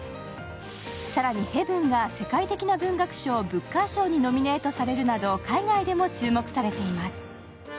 更に、「ヘヴン」が世界的な文学賞ブッカー賞にノミネートされるなど海外でも注目されています。